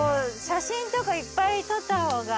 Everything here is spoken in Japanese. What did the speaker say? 写真とかいっぱい撮った方が。